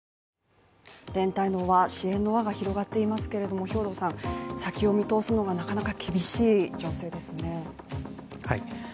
連帯の輪、支援の輪が広がっていますけれども先を見通すのがなかなか厳しい情勢ですね。